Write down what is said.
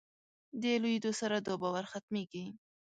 د لویېدو سره دا باور ختمېږي.